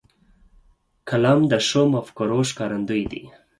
قلم د ښو مفکورو ښکارندوی دی